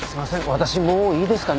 私もういいですかね？